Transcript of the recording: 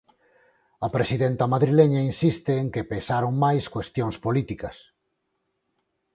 A presidenta madrileña insiste en que pesaron máis cuestións políticas.